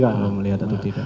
kalau melihat atau tidak